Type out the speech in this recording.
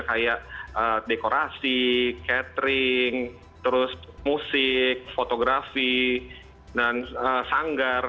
kayak dekorasi catering terus musik fotografi dan sanggar